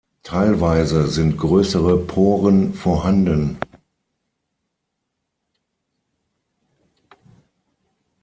Teilweise sind größere Poren vorhanden.